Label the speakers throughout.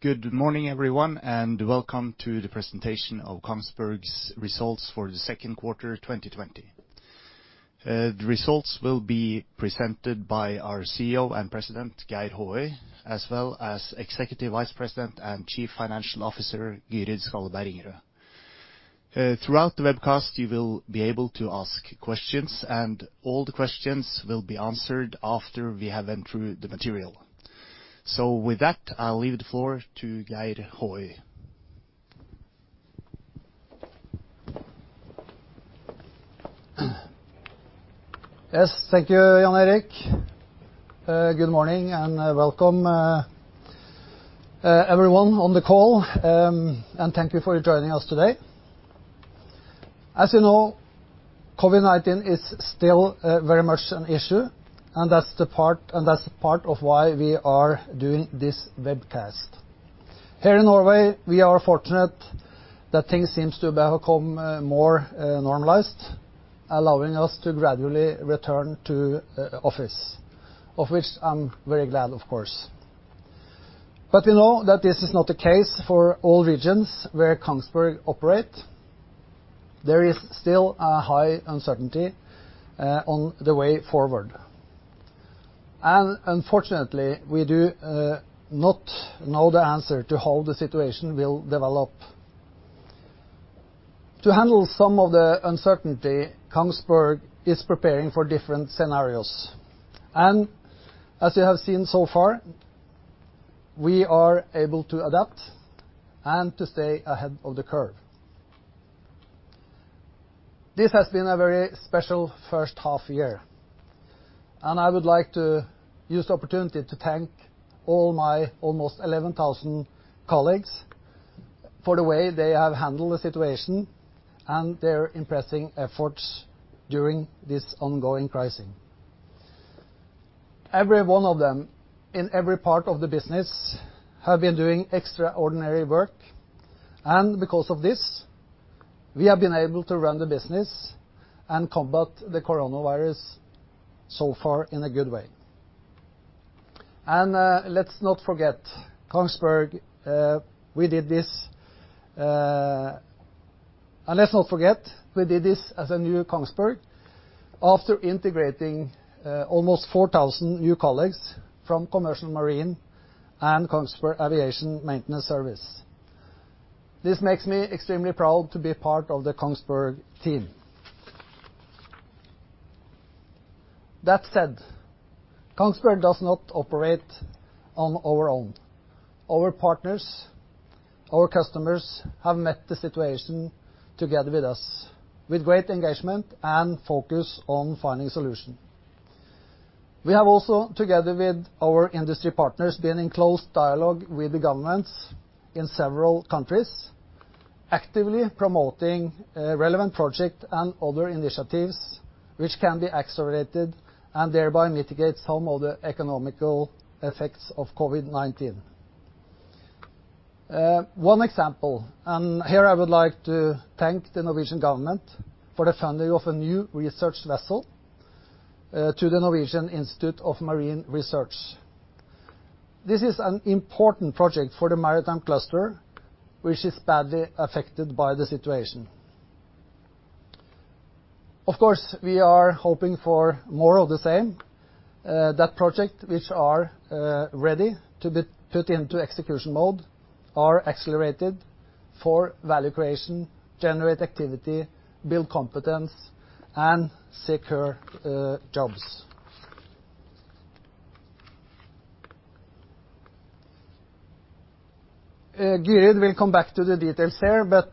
Speaker 1: Good morning, everyone, and welcome to the presentation of Kongsberg's results for the second quarter 2020. The results will be presented by our CEO and President, Geir Håøy, as well as Executive Vice President and Chief Financial Officer, Gyrid Skjaldberg Ingerø. Throughout the webcast, you will be able to ask questions, and all the questions will be answered after we have gone through the material. With that, I'll leave the floor to Geir Håøy.
Speaker 2: Yes, thank you, Jan Erik. Good morning and welcome, everyone on the call, and thank you for joining us today. As you know, COVID-19 is still very much an issue, and that's part of why we are doing this webcast. Here in Norway, we are fortunate that things seem to have become more normalized, allowing us to gradually return to office, of which I'm very glad, of course. But we know that this is not the case for all regions where Kongsberg operates. There is still high uncertainty on the way forward. Unfortunately, we do not know the answer to how the situation will develop. To handle some of the uncertainty, Kongsberg is preparing for different scenarios. As you have seen so far, we are able to adapt and to stay ahead of the curve. This has been a very special first half year, and I would like to use the opportunity to thank all my almost 11,000 colleagues for the way they have handled the situation and their impressive efforts during this ongoing crisis. Every one of them in every part of the business has been doing extraordinary work, and because of this, we have been able to run the business and combat the coronavirus so far in a good way. Let's not forget, Kongsberg, we did this—and let's not forget, we did this as a new Kongsberg after integrating almost 4,000 new colleagues from Commercial Marine and Kongsberg Aviation Maintenance Service. This makes me extremely proud to be part of the Kongsberg team. That said, Kongsberg does not operate on our own. Our partners, our customers have met the situation together with us, with great engagement and focus on finding solutions. We have also, together with our industry partners, been in close dialogue with the governments in several countries, actively promoting relevant projects and other initiatives which can be accelerated and thereby mitigate some of the economic effects of COVID-19. One example, and here I would like to thank the Norwegian government for the funding of a new research vessel to the Norwegian Institute of Marine Research. This is an important project for the maritime cluster, which is badly affected by the situation. Of course, we are hoping for more of the same. That project, which is ready to be put into execution mode, is accelerated for value creation, generate activity, build competence, and secure jobs. Gyrid will come back to the details here, but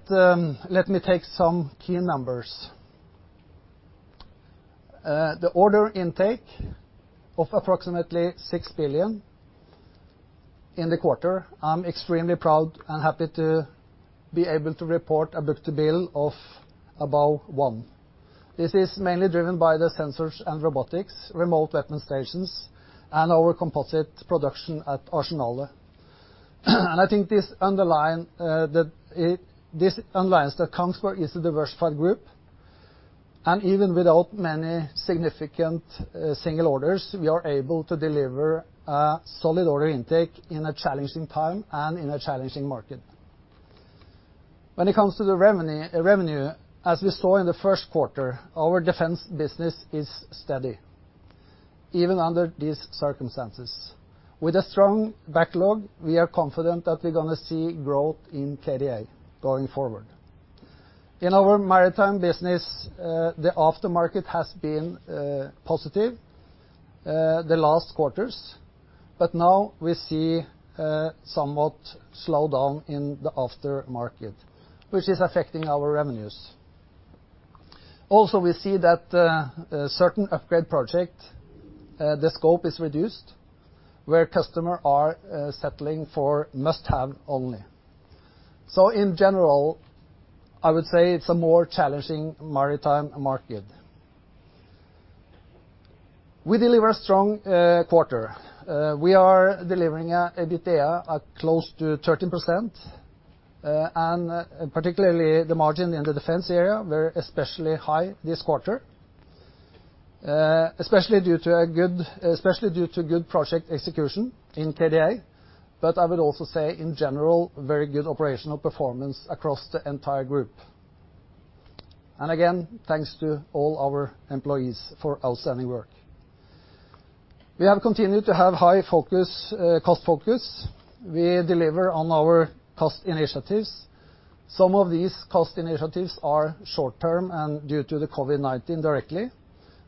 Speaker 2: let me take some key numbers. The order intake of approximately $6 billion in the quarter, I'm extremely proud and happy to be able to report a book to bill of about one. This is mainly driven by the sensors and robotics, remote weapon stations, and our composite production at Arsenal. I think this underlines that Kongsberg is a diversified group, and even without many significant single orders, we are able to deliver a solid order intake in a challenging time and in a challenging market. When it comes to the revenue, as we saw in the first quarter, our defense business is steady, even under these circumstances. With a strong backlog, we are confident that we're going to see growth in KDA going forward. In our maritime business, the aftermarket has been positive the last quarters, but now we see somewhat slowdown in the aftermarket, which is affecting our revenues. Also, we see that certain upgrade projects, the scope is reduced, where customers are settling for must-have only. In general, I would say it's a more challenging maritime market. We deliver a strong quarter. We are delivering EBITDA at close to 13%, and particularly the margin in the defense area was especially high this quarter, especially due to good project execution in KDA, but I would also say, in general, very good operational performance across the entire group. Again, thanks to all our employees for outstanding work. We have continued to have high cost focus. We deliver on our cost initiatives. Some of these cost initiatives are short-term and due to the COVID-19 directly.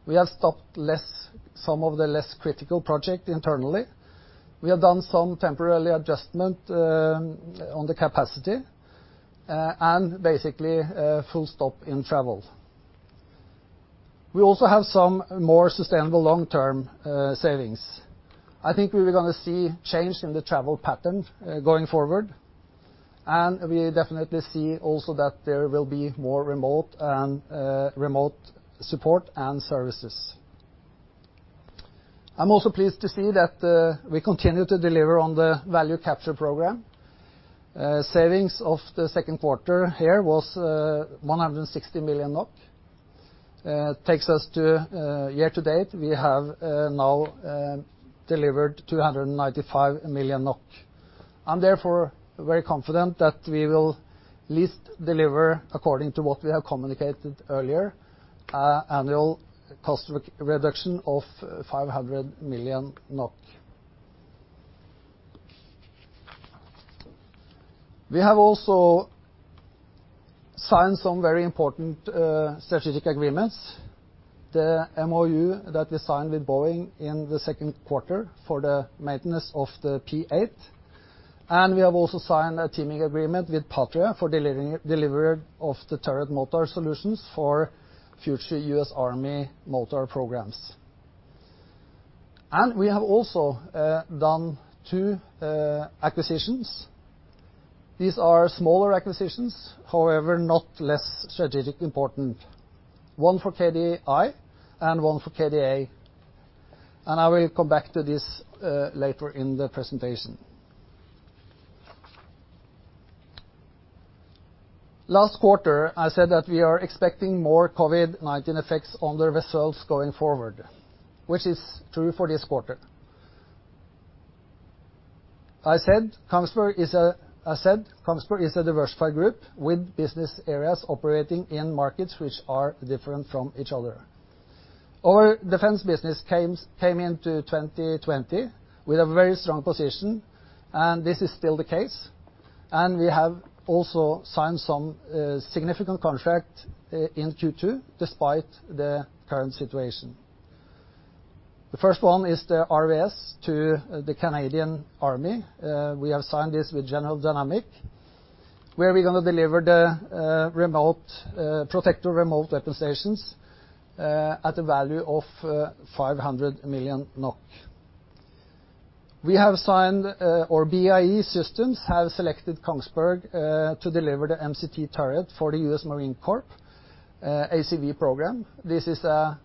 Speaker 2: We have stopped some of the less critical projects internally. We have done some temporary adjustment on the capacity and basically full stop in travel. We also have some more sustainable long-term savings. I think we're going to see change in the travel pattern going forward, and we definitely see also that there will be more remote support and services. I'm also pleased to see that we continue to deliver on the value capture program. Savings of the second quarter here was 160 million NOK. It takes us to year-to-date; we have now delivered 295 million NOK. I'm therefore very confident that we will at least deliver, according to what we have communicated earlier, an annual cost reduction of NOK 500 million. We have also signed some very important strategic agreements, the MOU that we signed with Boeing in the second quarter for the maintenance of the P-8, and we have also signed a teaming agreement with Patria for delivery of the turret motor solutions for future US Army motor programs. We have also done two acquisitions. These are smaller acquisitions, however, not less strategically important: one for KDI and one for KDA. I will come back to this later in the presentation. Last quarter, I said that we are expecting more COVID-19 effects on the vessels going forward, which is true for this quarter. I said Kongsberg is a diversified group with business areas operating in markets which are different from each other. Our defense business came into 2020 with a very strong position, and this is still the case. We have also signed some significant contracts in Q2 despite the current situation. The first one is the RVS to the Canadian Army. We have signed this with General Dynamics, where we're going to deliver the remote protector remote weapon stations at a value of 500 million NOK. We have signed our BIE systems have selected Kongsberg to deliver the MCT turret for the US Marine Corps ACV program. This is a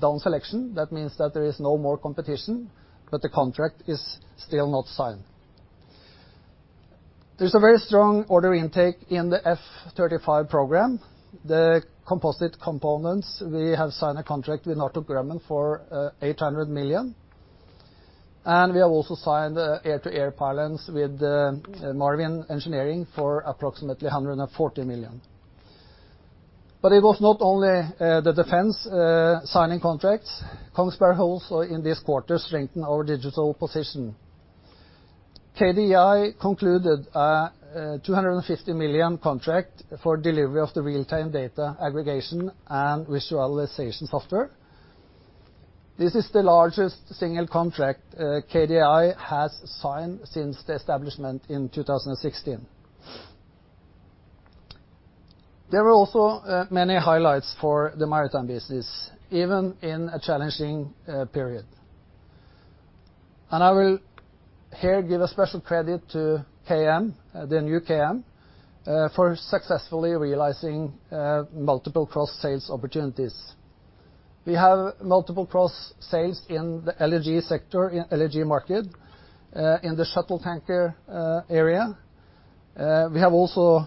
Speaker 2: down selection. That means that there is no more competition, but the contract is still not signed. There's a very strong order intake in the F-35 program. The composite components, we have signed a contract with Northrop Grumman for $800 million. We have also signed air-to-air missiles with Marvin Engineering for approximately $140 million. But it was not only the defense signing contracts. Kongsberg also in this quarter strengthened our digital position. KDI concluded a $250 million contract for delivery of the real-time data aggregation and visualization software. This is the largest single contract KDI has signed since the establishment in 2016. There were also many highlights for the maritime business, even in a challenging period. I will here give a special credit to KM, the new KM, for successfully realizing multiple cross-sales opportunities. We have multiple cross-sales in the LNG sector, LNG market, in the shuttle tanker area. We have also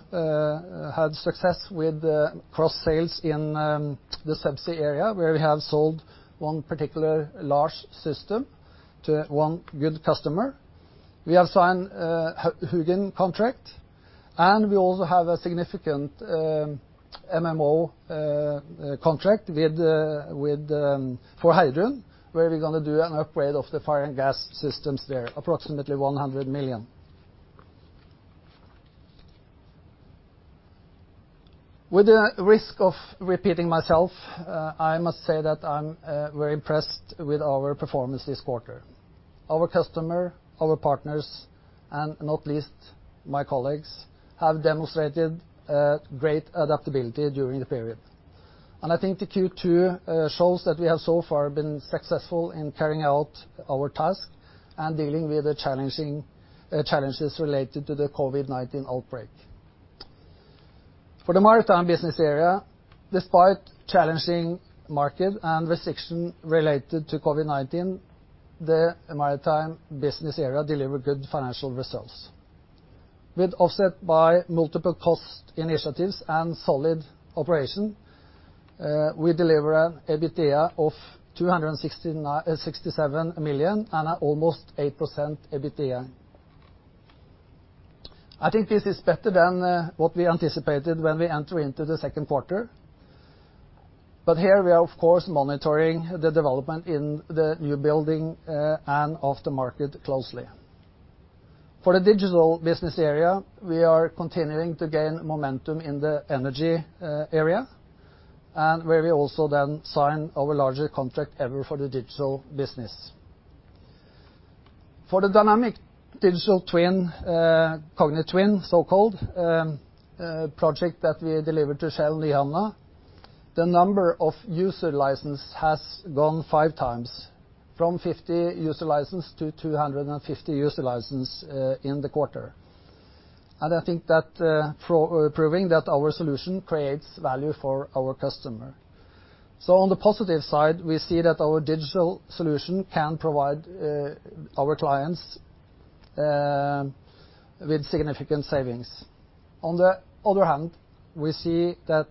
Speaker 2: had success with cross-sales in the subsea area, where we have sold one particular large system to one good customer. We have signed a Hugin contract, and we also have a significant MMO contract for Heidrun, where we're going to do an upgrade of the fire and gas systems there, approximately $100 million. With the risk of repeating myself, I must say that I'm very impressed with our performance this quarter. Our customers, our partners, and not least my colleagues have demonstrated great adaptability during the period. I think the Q2 shows that we have so far been successful in carrying out our task and dealing with the challenges related to the COVID-19 outbreak. For the maritime business area, despite challenging market and restrictions related to COVID-19, the maritime business area delivered good financial results. With offset by multiple cost initiatives and solid operation, we deliver an EBITDA of $267 million and an almost 8% EBITDA. I think this is better than what we anticipated when we entered into the second quarter. But here we are, of course, monitoring the development in the new building and aftermarket closely. For the digital business area, we are continuing to gain momentum in the energy area, and where we also then signed our largest contract ever for the digital business. For the Dynamic Digital Twin, Cognit Twin, so-called project that we delivered to Shane Nyhamna, the number of user licenses has gone five times from 50 user licenses to 250 user licenses in the quarter. I think that proves that our solution creates value for our customer. On the positive side, we see that our digital solution can provide our clients with significant savings. On the other hand, we see that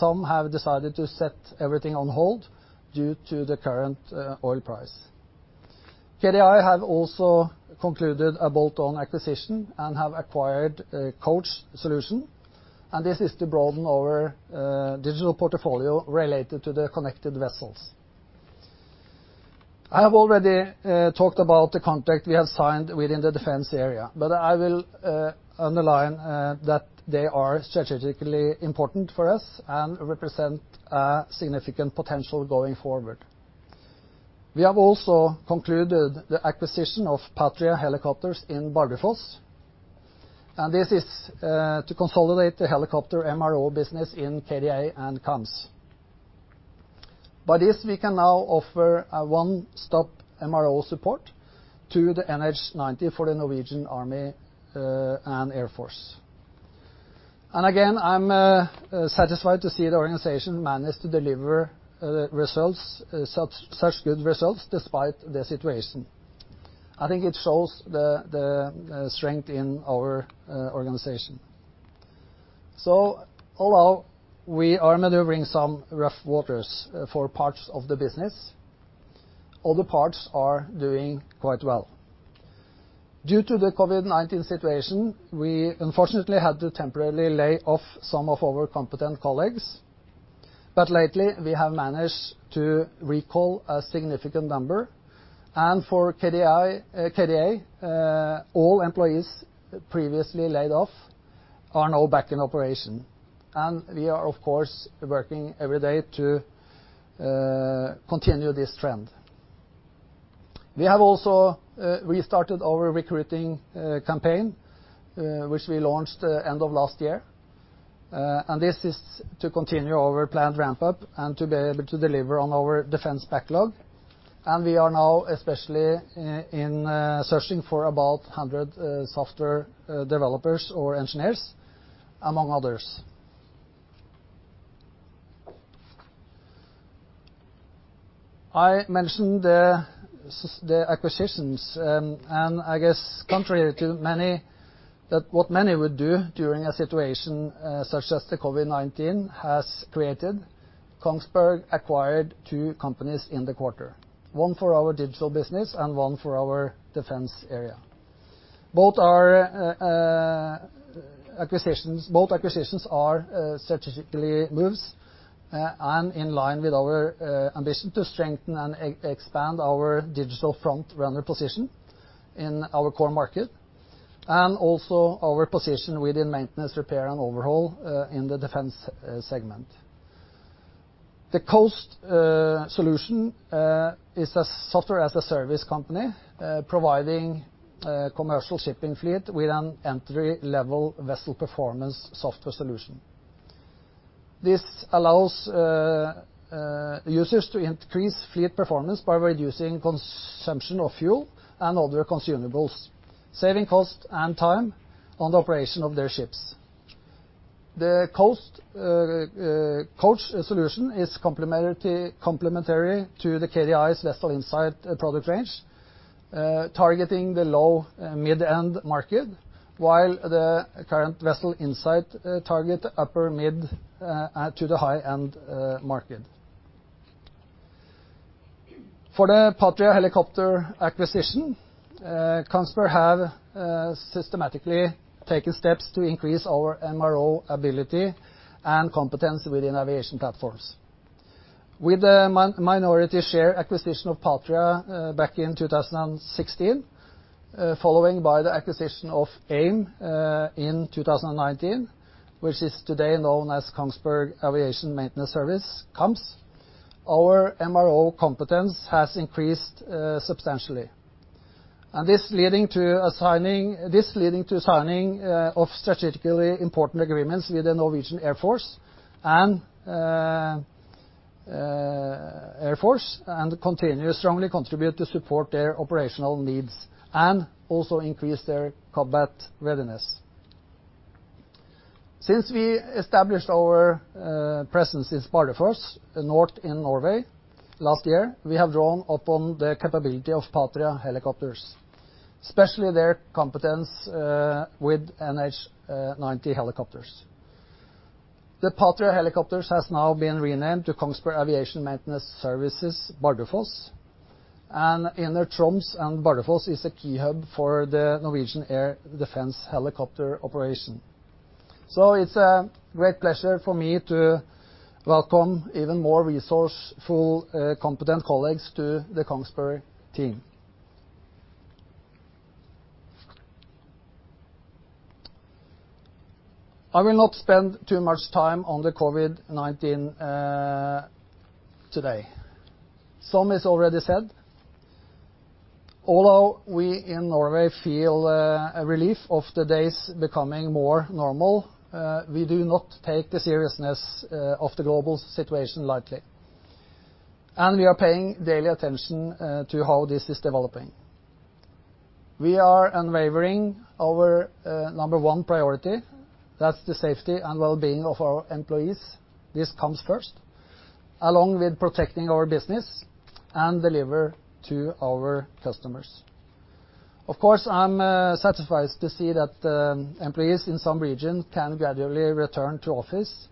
Speaker 2: some have decided to set everything on hold due to the current oil price. KDI have also concluded a bolt-on acquisition and have acquired a coach solution, and this is to broaden our digital portfolio related to the connected vessels. I have already talked about the contract we have signed within the defense area, but I will underline that they are strategically important for us and represent a significant potential going forward. We have also concluded the acquisition of Patria Helicopters in Barbados, and this is to consolidate the helicopter MRO business in KDA and COMS. By this, we can now offer a one-stop MRO support to the NH90 for the Norwegian Army and Air Force. I'm satisfied to see the organization managed to deliver such good results despite the situation. I think it shows the strength in our organization. Although we are maneuvering some rough waters for parts of the business, other parts are doing quite well. Due to the COVID-19 situation, we unfortunately had to temporarily lay off some of our competent colleagues, but lately we have managed to recall a significant number, and for KDA, all employees previously laid off are now back in operation. We are, of course, working every day to continue this trend. We have also restarted our recruiting campaign, which we launched at the end of last year, and this is to continue our planned ramp-up and to be able to deliver on our defense backlog. We are now especially searching for about 100 software developers or engineers among others. I mentioned the acquisitions, and I guess contrary to what many would do during a situation such as the COVID-19 has created, Kongsberg acquired two companies in the quarter, one for our digital business and one for our defense area. Both acquisitions are strategic moves and in line with our ambition to strengthen and expand our digital front-runner position in our core market and also our position within maintenance, repair, and overhaul in the defense segment. The Coast Solution is a software-as-a-service company providing a commercial shipping fleet with an entry-level vessel performance software solution. This allows users to increase fleet performance by reducing consumption of fuel and other consumables, saving cost and time on the operation of their ships. The Coast Coach Solution is complementary to the KDI's Vessel Insight product range, targeting the low-mid-end market, while the current Vessel Insight targets the upper-mid to the high-end market. For the Patria Helicopter acquisition, Kongsberg has systematically taken steps to increase our MRO ability and competence within aviation platforms. With the minority share acquisition of Patria back in 2016, followed by the acquisition of AIM in 2019, which is today known as Kongsberg Aviation Maintenance Service (KAMS), our MRO competence has increased substantially. This is leading to signing of strategically important agreements with the Norwegian Air Force and continue to strongly contribute to support their operational needs and also increase their combat readiness. Since we established our presence in Sparrefors North in Norway last year, we have drawn upon the capability of Patria Helicopters, especially their competence with NH90 helicopters. Patria Helicopters has now been renamed to Kongsberg Aviation Maintenance Services (Bardefoss), and inner Troms and Bardefoss is a key hub for the Norwegian Air Defense Helicopter Operation. It's a great pleasure for me to welcome even more resourceful, competent colleagues to the Kongsberg team. I will not spend too much time on COVID-19 today. Some is already said. Although we in Norway feel a relief of the days becoming more normal, we do not take the seriousness of the global situation lightly. We are paying daily attention to how this is developing. We are unwavering our number one priority. That's the safety and well-being of our employees. This comes first, along with protecting our business and delivering to our customers. Of course, I'm satisfied to see that employees in some regions can gradually return to office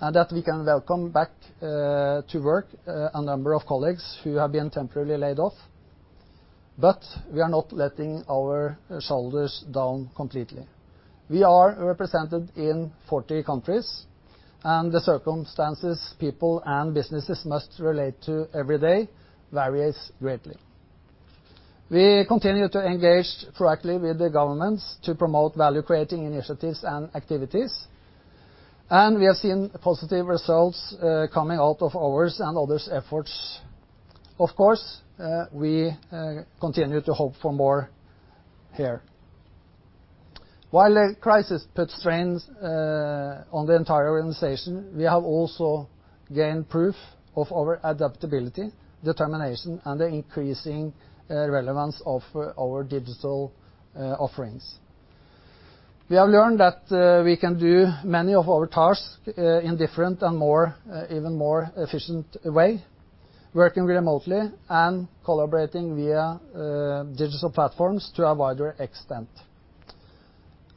Speaker 2: and that we can welcome back to work a number of colleagues who have been temporarily laid off. But we are not letting our guard down completely. We are represented in 40 countries, and the circumstances people and businesses must relate to every day vary greatly. We continue to engage proactively with the governments to promote value-creating initiatives and activities, and we have seen positive results coming out of ours and others' efforts. Of course, we continue to hope for more here. While the crisis puts strains on the entire organization, we have also gained proof of our adaptability, determination, and the increasing relevance of our digital offerings. We have learned that we can do many of our tasks in different and even more efficient ways, working remotely and collaborating via digital platforms to a wider extent.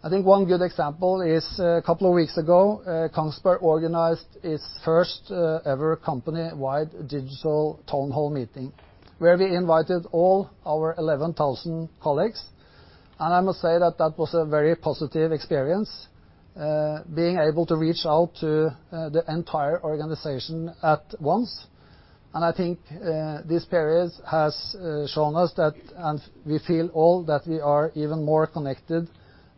Speaker 2: I think one good example is a couple of weeks ago, Kongsberg organized its first ever company-wide digital townhall meeting, where we invited all our 11,000 colleagues. I must say that that was a very positive experience, being able to reach out to the entire organization at once. I think this period has shown us that, and we feel that we are even more connected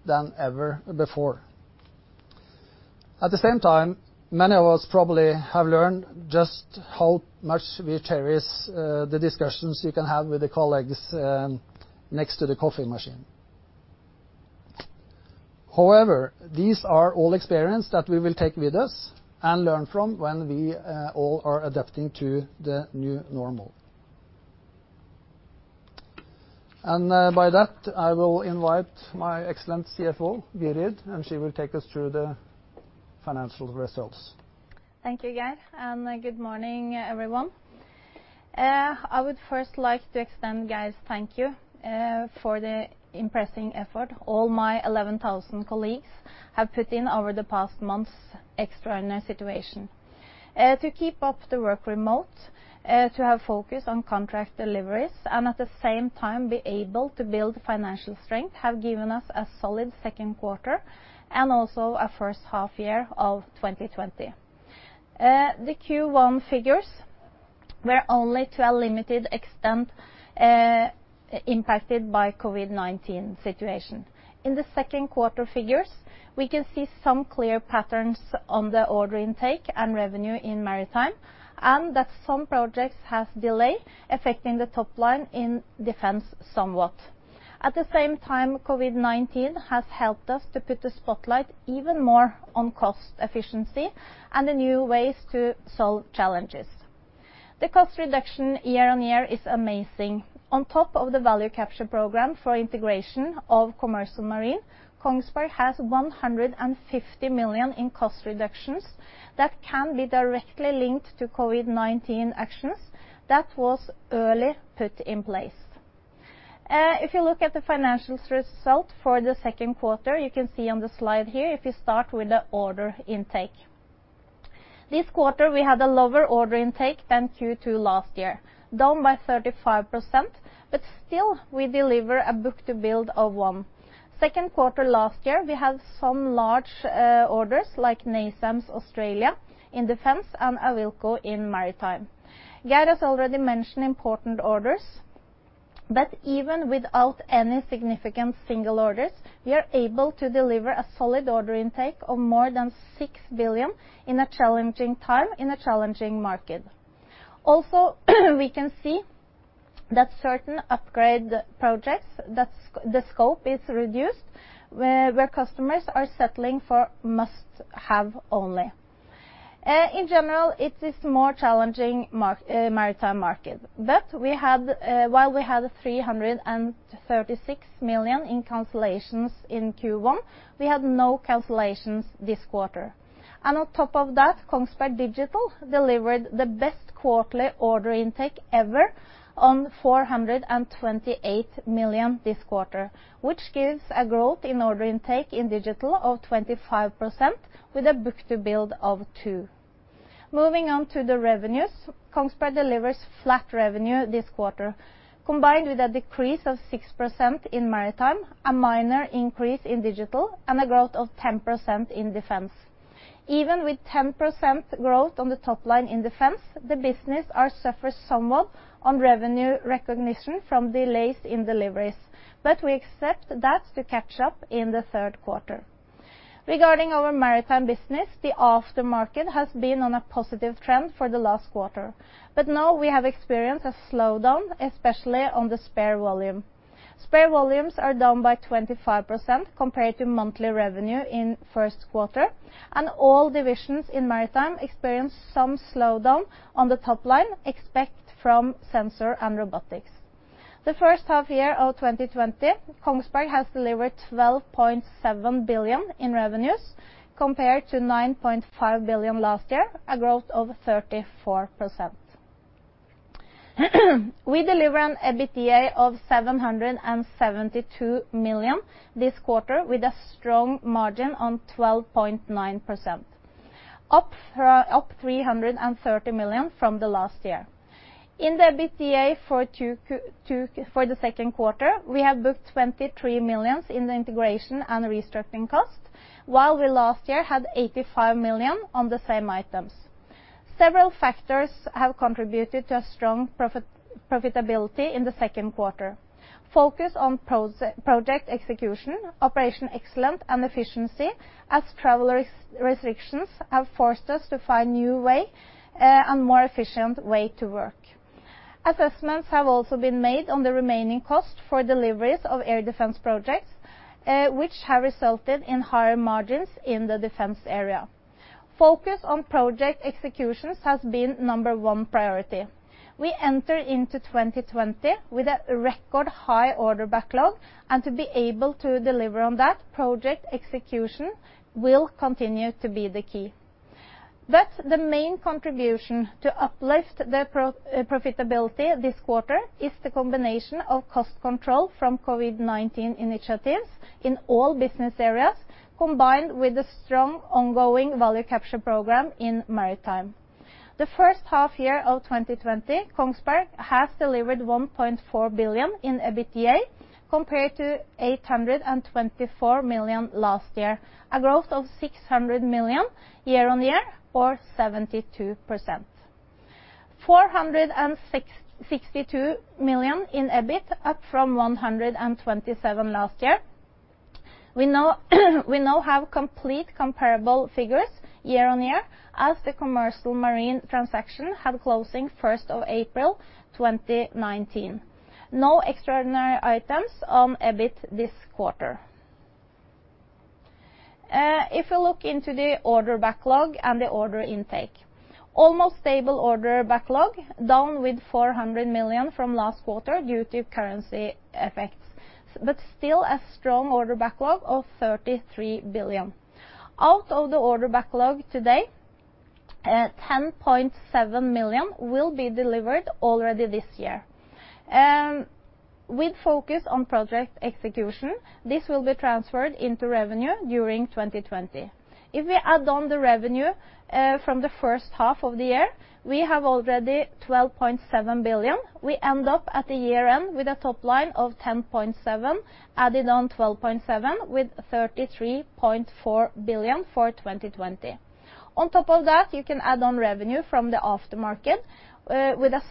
Speaker 2: than ever before. At the same time, many of us probably have learned just how much we cherish the discussions you can have with the colleagues next to the coffee machine. However, these are all experiences that we will take with us and learn from when we all are adapting to the new normal. By that, I will invite my excellent CFO, Gyrid, and she will take us through the financial results. Thank you, Geir. Good morning, everyone. I would first like to extend Geir's thank you for the impressive effort all my 11,000 colleagues have put in over the past month's extraordinary situation. To keep up the work remote, to have focused on contract deliveries, and at the same time be able to build financial strength have given us a solid second quarter and also a first half year of 2020. The Q1 figures were only to a limited extent impacted by the COVID-19 situation. In the second quarter figures, we can see some clear patterns on the order intake and revenue in maritime and that some projects have delayed affecting the top line in defense somewhat. At the same time, COVID-19 has helped us to put the spotlight even more on cost efficiency and the new ways to solve challenges. The cost reduction year on year is amazing. On top of the value capture program for integration of commercial marine, Kongsberg has $150 million in cost reductions that can be directly linked to COVID-19 actions that were early put in place. If you look at the financial results for the second quarter, you can see on the slide here if you start with the order intake. This quarter, we had a lower order intake than Q2 last year, down by 35%, but still we deliver a book to bill of one. Second quarter last year, we had some large orders like NASAMS Australia in defense and AVILCO in maritime. Geir has already mentioned important orders, but even without any significant single orders, we are able to deliver a solid order intake of more than $6 billion in a challenging time in a challenging market. Also, we can see that certain upgrade projects that the scope is reduced where customers are settling for must-have only. In general, it is a more challenging maritime market, but while we had $336 million in cancellations in Q1, we had no cancellations this quarter. On top of that, Kongsberg Digital delivered the best quarterly order intake ever on $428 million this quarter, which gives a growth in order intake in digital of 25% with a book to build of two. Moving on to the revenues, Kongsberg delivers flat revenue this quarter, combined with a decrease of 6% in maritime, a minor increase in digital, and a growth of 10% in defense. Even with 10% growth on the top line in defense, the businesses are suffering somewhat on revenue recognition from delays in deliveries, but we expect that to catch up in the third quarter. Regarding our maritime business, the aftermarket has been on a positive trend for the last quarter, but now we have experienced a slowdown, especially on the spare volume. Spare volumes are down by 25% compared to monthly revenue in first quarter, and all divisions in maritime experience some slowdown on the top line except from sensor and robotics. The first half year of 2020, Kongsberg has delivered $12.7 billion in revenues compared to $9.5 billion last year, a growth of 34%. We deliver an EBITDA of $772 million this quarter with a strong margin of 12.9%, up $330 million from last year. In the EBITDA for the second quarter, we have booked $23 million in integration and restructuring costs, while last year we had $85 million on the same items. Several factors have contributed to strong profitability in the second quarter: focus on project execution, operational excellence, and efficiency, as travel restrictions have forced us to find a new way and a more efficient way to work. Assessments have also been made on the remaining costs for deliveries of air defense projects, which have resulted in higher margins in the defense area. Focus on project execution has been number one priority. We entered into 2020 with a record high order backlog, and to be able to deliver on that, project execution will continue to be the key. But the main contribution to uplift the profitability this quarter is the combination of cost control from COVID-19 initiatives in all business areas, combined with the strong ongoing value capture program in maritime. The first half year of 2020, Kongsberg has delivered $1.4 billion in EBITDA compared to $824 million last year, a growth of $600 million year on year, or 72%. $462 million in EBIT, up from $127 million last year. We now have complete comparable figures year on year, as the commercial marine transaction had closing April 1, 2019. No extraordinary items on EBIT this quarter. If you look into the order backlog and the order intake, almost stable order backlog, down with $400 million from last quarter due to currency effects, but still a strong order backlog of $33 billion. Out of the order backlog today, $10.7 billion will be delivered already this year. With focus on project execution, this will be transferred into revenue during 2020. If we add on the revenue from the first half of the year, we have already $12.7 billion. We end up at the year end with a top line of $10.7 billion, added on $12.7 billion with $33.4 billion for 2020. On top of that, you can add on revenue from the aftermarket with a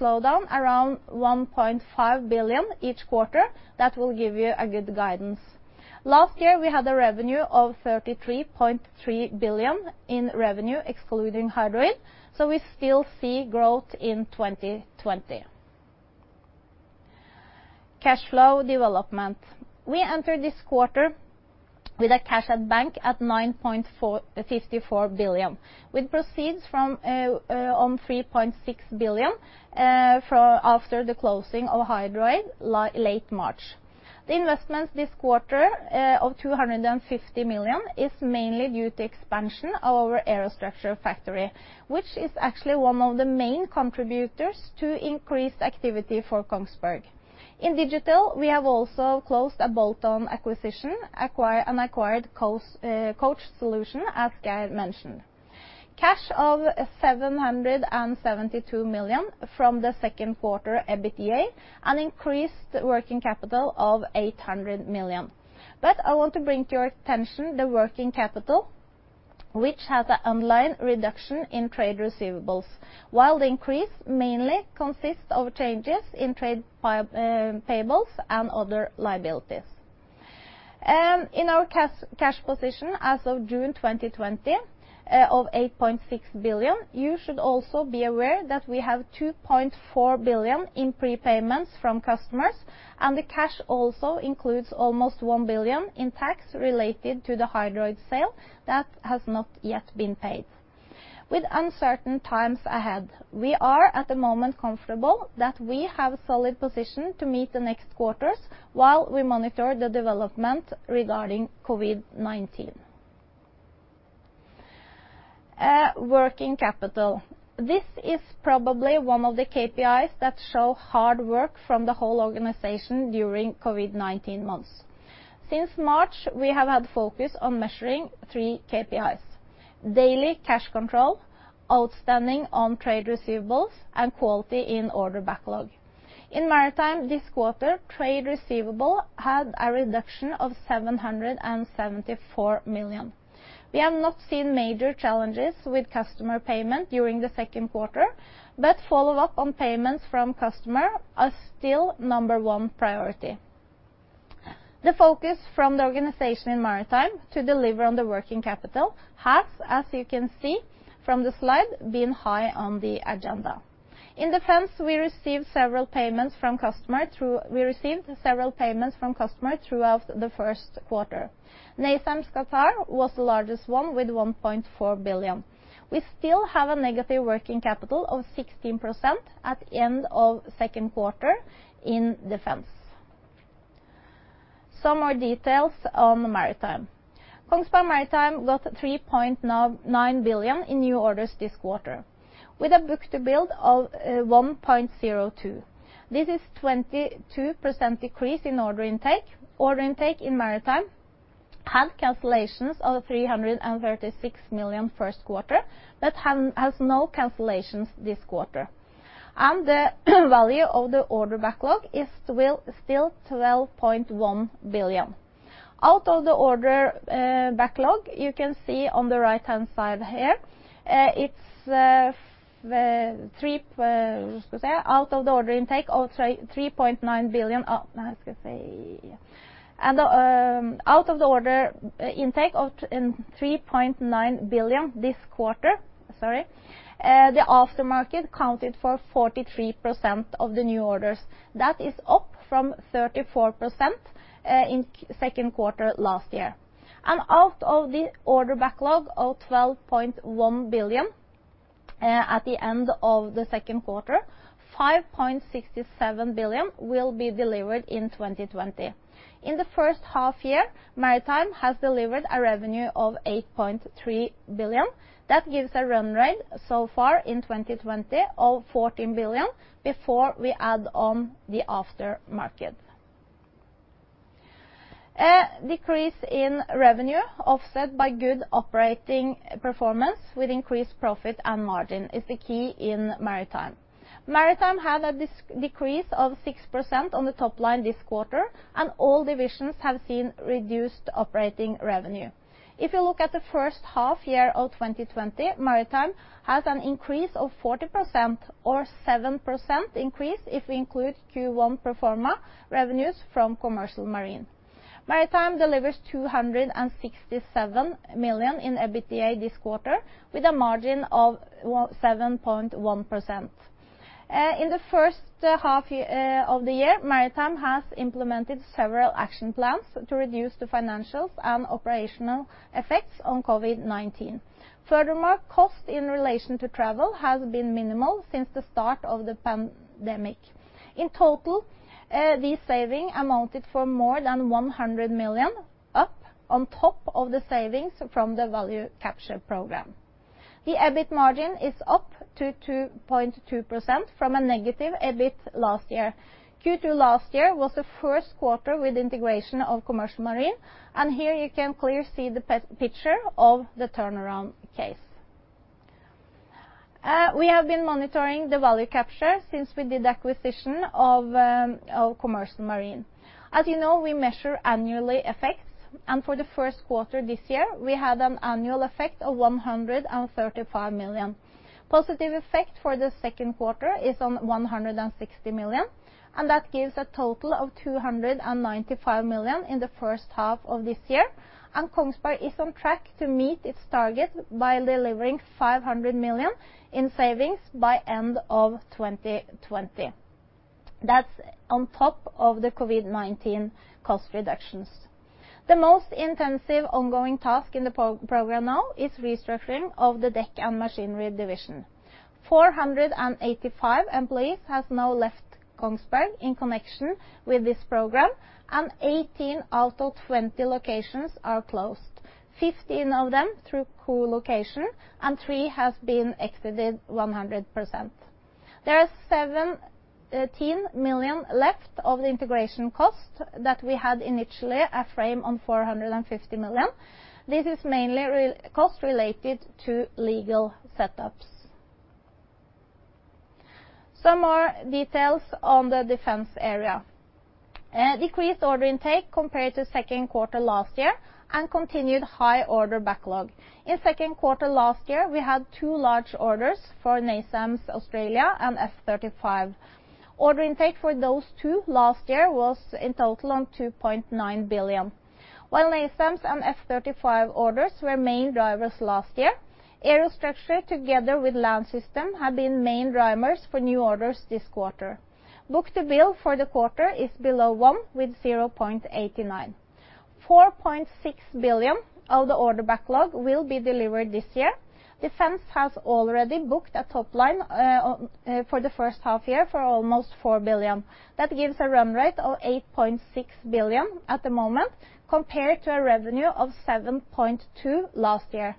Speaker 2: slowdown around $1.5 billion each quarter. That will give you a good guidance. Last year, we had a revenue of $33.3 billion in revenue, excluding Hydroid, so we still see growth in 2020. Cash flow development. We entered this quarter with a cash at bank at $9.54 billion, with proceeds from $3.6 billion after the closing of Hydroid late March. The investments this quarter of $250 million is mainly due to expansion of our aerostructure factory, which is actually one of the main contributors to increased activity for Kongsberg. In digital, we have also closed a bolt-on acquisition and acquired Coach Solution, as Geir mentioned. Cash of $772 million from the second quarter EBITDA and increased working capital of $800 million. But I want to bring to your attention the working capital, which has an underlying reduction in trade receivables, while the increase mainly consists of changes in trade payables and other liabilities. In our cash position as of June 2020 of $8.6 billion, you should also be aware that we have $2.4 billion in prepayments from customers, and the cash also includes almost $1 billion in tax related to the Hydroid sale that has not yet been paid. With uncertain times ahead, we are at the moment comfortable that we have a solid position to meet the next quarters while we monitor the development regarding COVID-19. Working capital. This is probably one of the KPIs that show hard work from the whole organization during COVID-19 months. Since March, we have had focus on measuring three KPIs: daily cash control, outstanding on trade receivables, and quality in order backlog. In maritime this quarter, trade receivable had a reduction of $774 million. We have not seen major challenges with customer payment during the second quarter, but follow-up on payments from customer are still number one priority. The focus from the organization in maritime to deliver on the working capital has, as you can see from the slide, been high on the agenda. In defense, we received several payments from customers throughout the first quarter. NASAMS Qatar was the largest one with $1.4 billion. We still have a negative working capital of 16% at the end of second quarter in defense. Some more details on maritime. Kongsberg Maritime got $3.9 billion in new orders this quarter with a book to build of 1.02. This is a 22% decrease in order intake. Order intake in maritime had cancellations of $336 million first quarter but has no cancellations this quarter. The value of the order backlog is still $12.1 billion. Out of the order backlog, you can see on the right-hand side here, it's 3 out of the order intake of $3.9 billion. Out of the order intake of $3.9 billion this quarter, the aftermarket counted for 43% of the new orders. That is up from 34% in second quarter last year. Out of the order backlog of $12.1 billion at the end of the second quarter, $5.67 billion will be delivered in 2020. In the first half year, maritime has delivered a revenue of $8.3 billion. That gives a run rate so far in 2020 of $14 billion before we add on the aftermarket. Decrease in revenue offset by good operating performance with increased profit and margin is the key in maritime. Maritime had a decrease of 6% on the top line this quarter, and all divisions have seen reduced operating revenue. If you look at the first half year of 2020, maritime has an increase of 40% or 7% increase if we include Q1 proforma revenues from commercial marine. Maritime delivers $267 million in EBITDA this quarter with a margin of 7.1%. In the first half of the year, Maritime has implemented several action plans to reduce the financial and operational effects of COVID-19. Furthermore, costs in relation to travel have been minimal since the start of the pandemic. In total, these savings amounted to more than $100 million, on top of the savings from the value capture program. The EBIT margin is up to 2.2% from a negative EBIT last year. Q2 last year was the first quarter with integration of Commercial Marine, and here you can clearly see the picture of the turnaround case. We have been monitoring the value capture since we did the acquisition of Commercial Marine. As you know, we measure annual effects, and for the first quarter this year, we had an annual effect of $135 million. Positive effect for the second quarter is $160 million, and that gives a total of $295 million in the first half of this year, and Kongsberg is on track to meet its target by delivering $500 million in savings by end of 2020. That's on top of the COVID-19 cost reductions. The most intensive ongoing task in the program now is restructuring of the deck and machinery division. 485 employees have now left Kongsberg in connection with this program, and 18 out of 20 locations are closed, 15 of them through co-location, and three have been exited 100%. There are $17 million left of the integration cost that we had initially a frame on $450 million. This is mainly cost related to legal setups. Some more details on the defense area. Decreased order intake compared to second quarter last year and continued high order backlog. In second quarter last year, we had two large orders for NASAMS Australia and F-35. Order intake for those two last year was in total $2.9 billion. While NASAMS and F-35 orders were main drivers last year, aerostructure together with land system have been main drivers for new orders this quarter. Book to build for the quarter is below one with 0.89. $4.6 billion of the order backlog will be delivered this year. Defense has already booked a top line for the first half year for almost $4 billion. That gives a run rate of $8.6 billion at the moment compared to a revenue of $7.2 billion last year.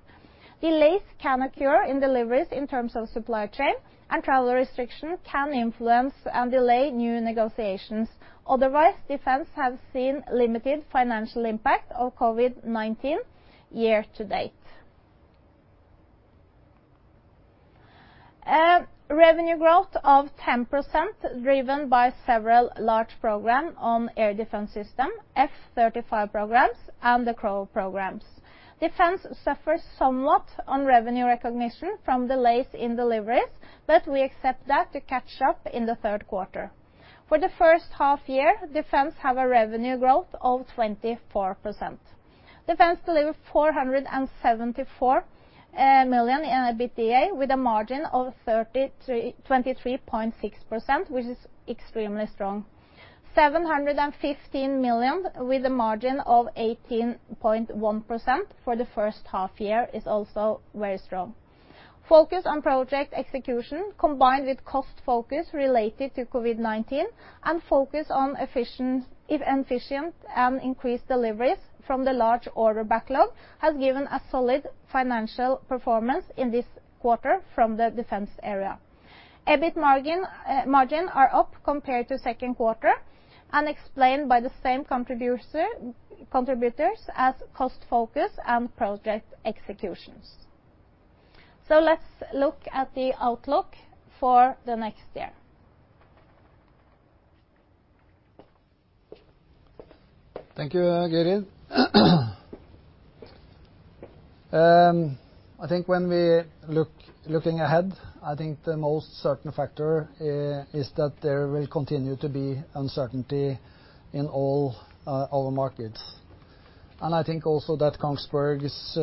Speaker 2: Delays can occur in deliveries in terms of supply chain, and travel restrictions can influence and delay new negotiations. Otherwise, defense has seen limited financial impact of COVID-19 year to date. Revenue growth of 10% driven by several large programs on air defense system, F-35 programs, and the CROW programs. Defense suffers somewhat on revenue recognition from delays in deliveries, but we expect that to catch up in the third quarter. For the first half year, defense has a revenue growth of 24%. Defense delivered $474 million in EBITDA with a margin of 23.6%, which is extremely strong. $715 million with a margin of 18.1% for the first half year is also very strong. Focus on project execution combined with cost focus related to COVID-19 and focus on efficient and increased deliveries from the large order backlog has given a solid financial performance in this quarter from the defense area. EBIT margin is up compared to second quarter and explained by the same contributors as cost focus and project executions. Let's look at the outlook for the next year. Thank you, Geir Hagan. I think when we look ahead, I think the most certain factor is that there will continue to be uncertainty in all our markets. I think also that Kongsberg's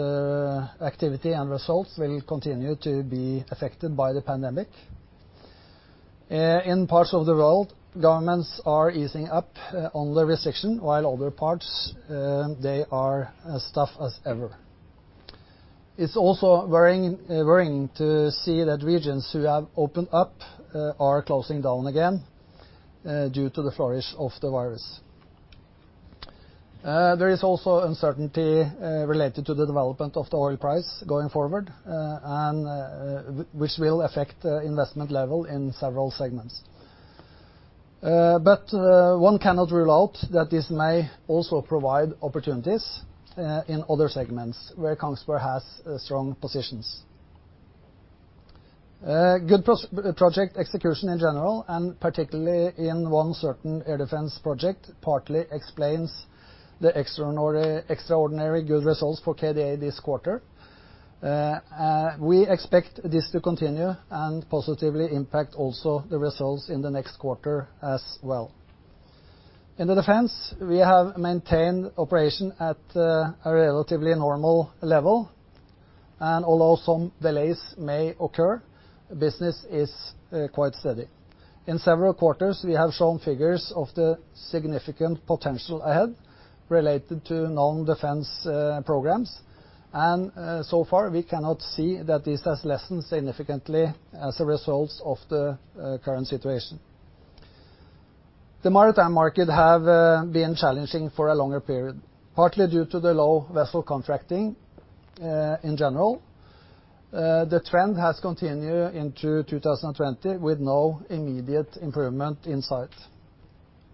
Speaker 2: activity and results will continue to be affected by the pandemic. In parts of the world, governments are easing up on the restrictions, while other parts, they are as tough as ever. It's also worrying to see that regions who have opened up are closing down again due to the flourishing of the virus. There is also uncertainty related to the development of the oil price going forward, which will affect the investment level in several segments. But one cannot rule out that this may also provide opportunities in other segments where Kongsberg has strong positions. Good project execution in general, and particularly in one certain air defense project, partly explains the extraordinary good results for KDA this quarter. We expect this to continue and positively impact also the results in the next quarter as well. In the defense, we have maintained operation at a relatively normal level, and although some delays may occur, business is quite steady. In several quarters, we have shown figures of the significant potential ahead related to non-defense programs, and so far, we cannot see that this has lessened significantly as a result of the current situation. The maritime market has been challenging for a longer period, partly due to the low vessel contracting in general. The trend has continued into 2020 with no immediate improvement in sight.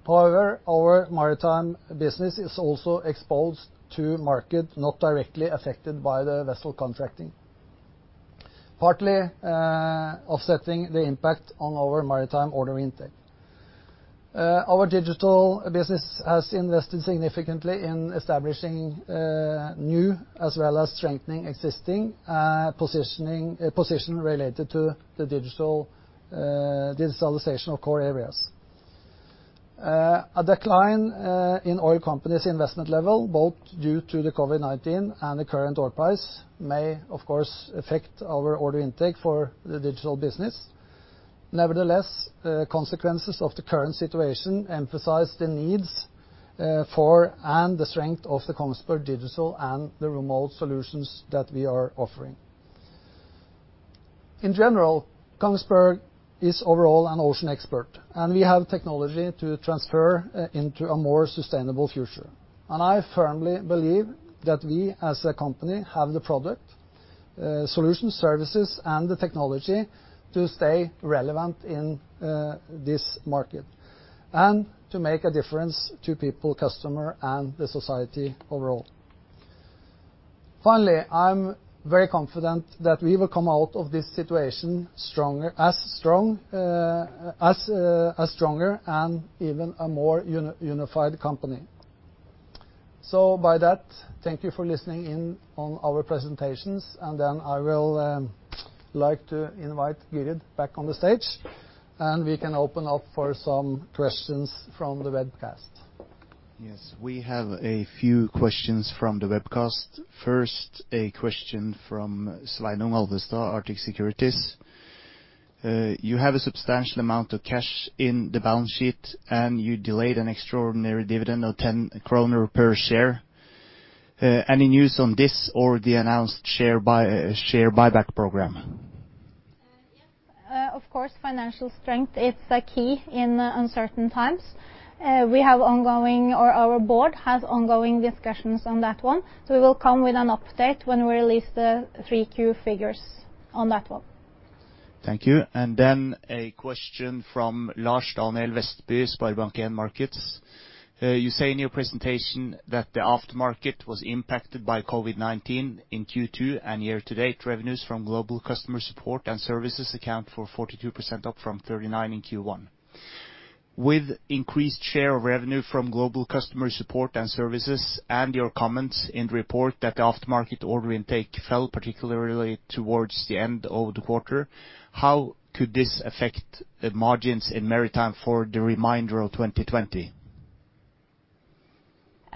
Speaker 2: However, our maritime business is also exposed to markets not directly affected by vessel contracting, partly offsetting the impact on our maritime order intake. Our digital business has invested significantly in establishing new as well as strengthening existing positions related to the digitalization of core areas. A decline in oil companies' investment level, both due to COVID-19 and the current oil price, may, of course, affect our order intake for the digital business. Nevertheless, consequences of the current situation emphasize the needs for and the strength of the Kongsberg digital and the remote solutions that we are offering. In general, Kongsberg is overall an ocean expert, and we have technology to transfer into a more sustainable future. I firmly believe that we, as a company, have the product, solutions, services, and the technology to stay relevant in this market and to make a difference to people, customers, and the society overall. Finally, I'm very confident that we will come out of this situation as stronger and even a more unified company. By that, thank you for listening in on our presentations, and then I would like to invite Geir Hagrun back on the stage, and we can open up for some questions from the webcast. Yes, we have a few questions from the webcast. First, a question from Sveinung Alvesta, Arctic Securities. You have a substantial amount of cash in the balance sheet, and you delayed an extraordinary dividend of 10 kroner per share. Any news on this or the announced share buyback program? Of course, financial strength is a key in uncertain times. We have ongoing, or our board has ongoing discussions on that one, so we will come with an update when we release the Q3 figures on that one. Thank you. A question from Lars Daniel Vestby, Sparbanken Markeds. You say in your presentation that the aftermarket was impacted by COVID-19 in Q2, and year-to-date revenues from global customer support and services account for 42%, up from 39% in Q1. With increased share of revenue from global customer support and services, and your comments in the report that the aftermarket order intake fell particularly towards the end of the quarter, how could this affect the margins in maritime for the remainder of 2020?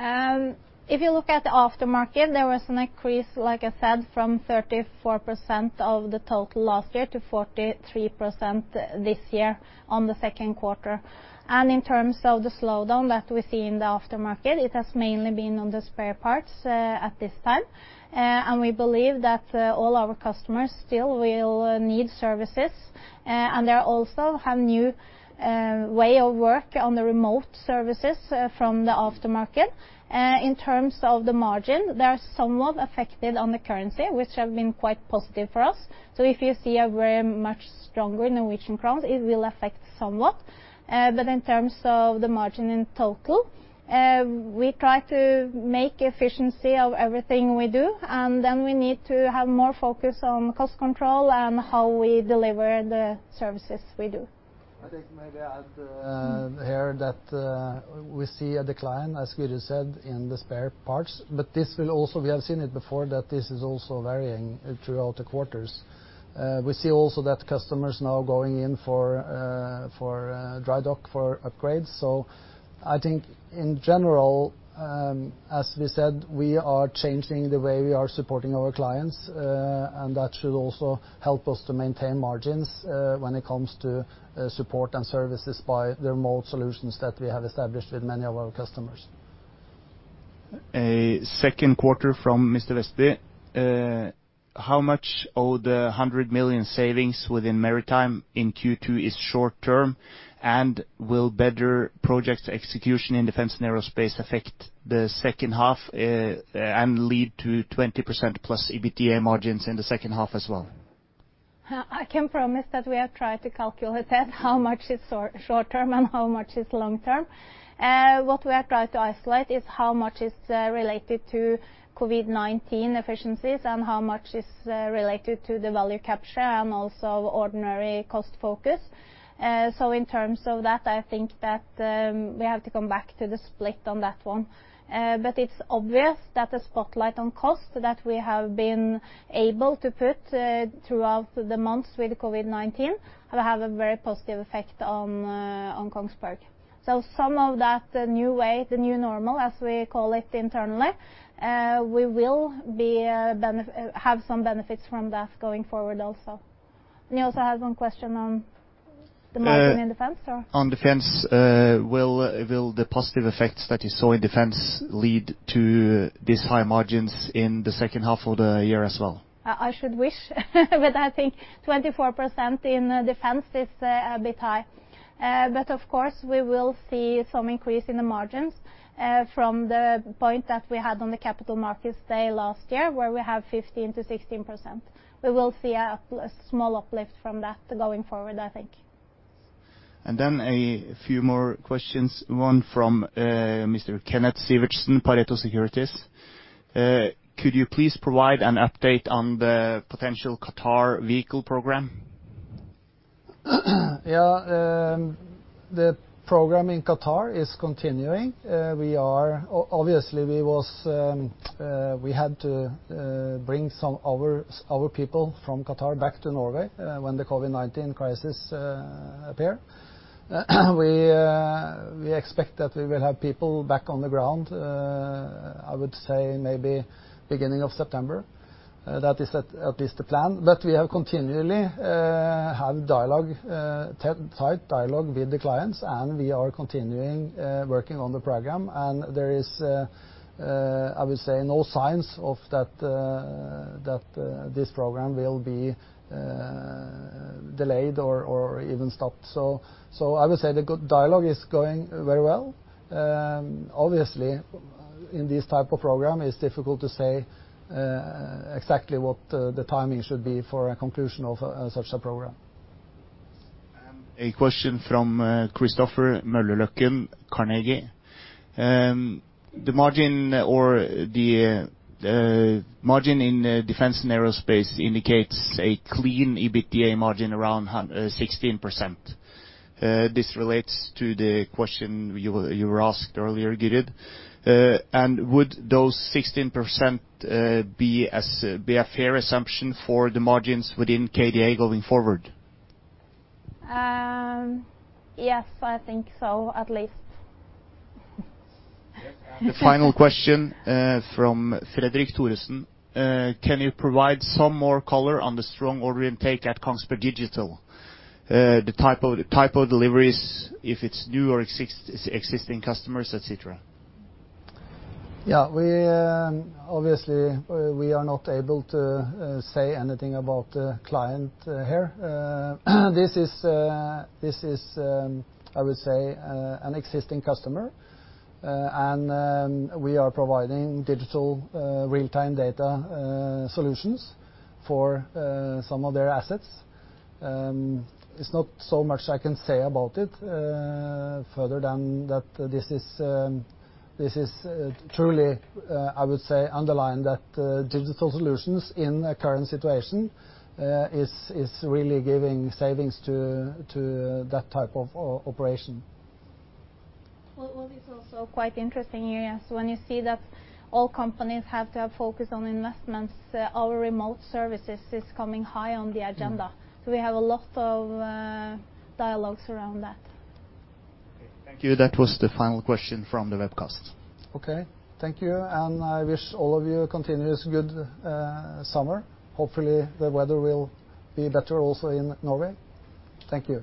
Speaker 2: If you look at the aftermarket, there was an increase, like I said, from 34% of the total last year to 43% this year in the second quarter. In terms of the slowdown that we see in the aftermarket, it has mainly been on the spare parts at this time. We believe that all our customers still will need services, and they also have a new way of work on the remote services from the aftermarket. In terms of the margin, they are somewhat affected on the currency, which has been quite positive for us. If you see a very much stronger Norwegian krone, it will affect somewhat. But in terms of the margin in total, we try to make efficiency of everything we do, and then we need to have more focus on cost control and how we deliver the services we do. I think maybe I'll add here that we see a decline, as Geir Hagrun said, in the spare parts, but this will also, we have seen it before, that this is also varying throughout the quarters. We see also that customers now going in for dry dock for upgrades. I think in general, as we said, we are changing the way we are supporting our clients, and that should also help us to maintain margins when it comes to support and services by the remote solutions that we have established with many of our customers. A second quarter from Mr. Vestby. How much of the $100 million savings within maritime in Q2 is short-term, and will better project execution in defense and aerospace affect the second half and lead to 20%+ EBITDA margins in the second half as well? I can promise that we have tried to calculate that, how much is short-term and how much is long-term. What we have tried to isolate is how much is related to COVID-19 efficiencies and how much is related to the value capture and also ordinary cost focus. In terms of that, I think that we have to come back to the split on that one. But it's obvious that the spotlight on cost that we have been able to put throughout the months with COVID-19 will have a very positive effect on Kongsberg. Some of that new way, the new normal, as we call it internally, we will have some benefits from that going forward also. You also had one question on the margin in defense? On defense, will the positive effects that you saw in defense lead to these high margins in the second half of the year as well? I should wish, but I think 24% in defense is a bit high. But of course, we will see some increase in the margins from the point that we had on the capital markets day last year, where we have 15% to 16%. We will see a small uplift from that going forward, I think. And then a few more questions. One from Mr. Kenneth Sivertsen, Pareto Securities. Could you please provide an update on the potential Qatar vehicle program? Yeah, the program in Qatar is continuing. Obviously, we had to bring some of our people from Qatar back to Norway when the COVID-19 crisis appeared. We expect that we will have people back on the ground, I would say maybe beginning of September. That is at least the plan. We have continually had a tight dialogue with the clients, and we are continuing working on the program. There is, I would say, no signs that this program will be delayed or even stopped. I would say the dialogue is going very well. Obviously, in this type of program, it's difficult to say exactly what the timing should be for a conclusion of such a program. A question from Christopher Møller Løkken, Carnegie. The margin in defense and aerospace indicates a clean EBITDA margin around 16%. This relates to the question you were asked earlier, Geir Hagrun. Would those 16% be a fair assumption for the margins within KDA going forward? Yes, I think so, at least. Final question from Fredrik Thoresen. Can you provide some more color on the strong order intake at Kongsberg Digital? The type of deliveries, if it's new or existing customers, etc. Obviously, we are not able to say anything about the client here. This is, I would say, an existing customer, and we are providing digital real-time data solutions for some of their assets. It's not so much I can say about it further than that this is truly, I would say, underlined that digital solutions in a current situation is really giving savings to that type of operation. It's also quite interesting here as when you see that all companies have to have focus on investments, our remote services is coming high on the agenda. So we have a lot of dialogues around that. Thank you. That was the final question from the webcast. Thank you. I wish all of you a continuous good summer. Hopefully, the weather will be better also in Norway. Thank you.